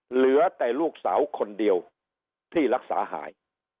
เหลือแต่ลูกสาวคนเดียวที่รักษาหาย